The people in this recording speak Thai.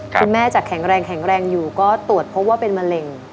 คุณแม่จะแข็งแรงแข็งแรงอยู่ก็ตรวจพบว่าเป็นมะเร็ง